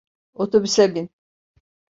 Otobüse bin.